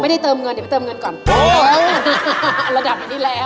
ไม่ได้เติมเงินเดี๋ยวไปเติมเงินก่อนโอ๊ยระดับนี้แล้ว